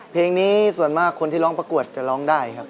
เพลงนี้ส่วนมากคนที่ร้องประกวดจะร้องได้ครับ